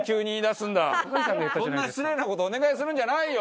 そんな失礼な事お願いするんじゃないよ！